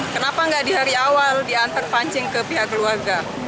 kenapa nggak di hari awal diantar pancing ke pihak keluarga